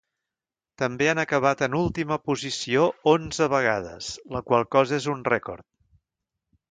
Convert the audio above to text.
També han acabat en última posició onze vegades, la qual cosa és un rècord.